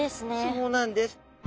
そうなんです。